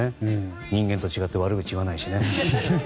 人間と違って悪口言わないしね。